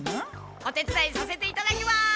お手つだいさせていただきます。